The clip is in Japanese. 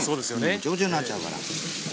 ぐちゃぐちゃになっちゃうから。